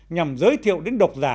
nhằm giới thiệu đến độc giả